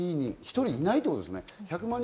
１人いないということですね。